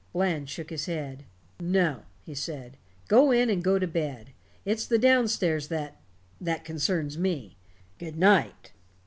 Bland shook his head. "No," he said. "Go in and go to bed. It's the down stairs that that concerns me. Good night."